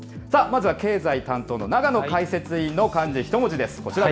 さあ、まずは経済担当の永野解説委員の漢字一文字です。